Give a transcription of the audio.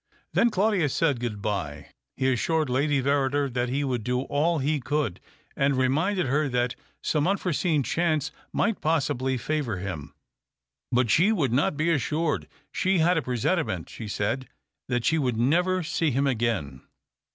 Then Claudius said good bye. He assured Lady Verrider that he would do all he could, and reminded her that some unforeseen chance might possibly favour him. But she would not be assured. She had a presentiment, she said, that she would never see him again.